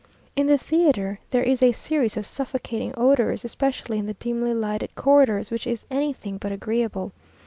In the theatre there is a series of suffocating odours, especially in the dimly lighted corridors, which is anything but agreeable.